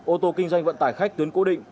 ô tô kinh doanh vận tải khách tuyến cố định